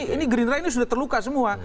ini gerindra ini sudah terluka semua